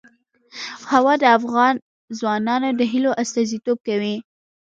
هوا د افغان ځوانانو د هیلو استازیتوب کوي.